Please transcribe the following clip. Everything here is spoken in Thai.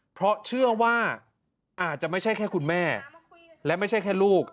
เพราะเชื่อว่าอาจจะไม่ใช่แค่คุณแม่และไม่ใช่แค่ลูก